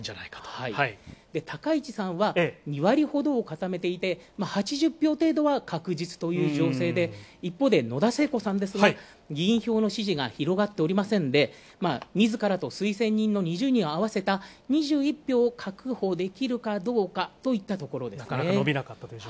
高市さんは２割ほどを固めていて８０票程度は確実という情勢で一方で、野田聖子さんですが、議員票の支持が広がっておりませんのでみずからと推薦人の２０人を合わせた２１票を確保できるかどうかといったところですね。